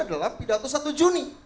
dalam pidato satu juni